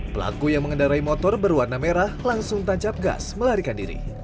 pelaku yang mengendarai motor berwarna merah langsung tancap gas melarikan diri